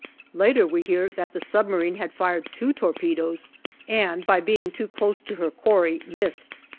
Later, we hear that the submarine had fired two torpedoes, and by being too close to her quarry, missed.